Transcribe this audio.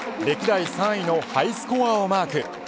歴代３位のハイスコアをマーク。